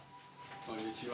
こんにちは。